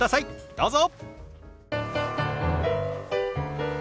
どうぞ！